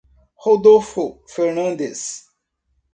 Rodolfo Fernandes